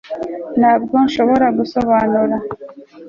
ntabwo nshobora gusobanura